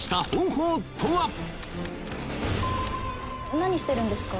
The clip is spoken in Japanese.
何してるんですか？